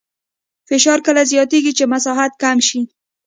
فشار کله زیاتېږي چې مساحت کم شي.